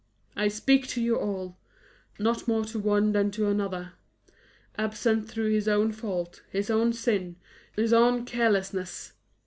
I speak to you all not more to one than to another absent through his own fault, his own sin, his own carelessness!